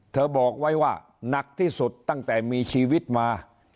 บอกไว้ว่าหนักที่สุดตั้งแต่มีชีวิตมา